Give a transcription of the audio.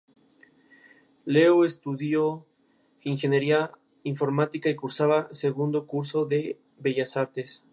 Leo estudió Ingeniería Informática y cursaba segundo curso de Bellas Artes.